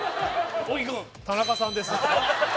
小木君田中さんです